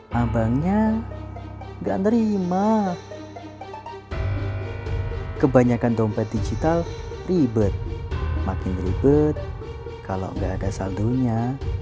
hai abangnya gak terima kebanyakan dompet digital ribet makin ribet kalau enggak ada saldunya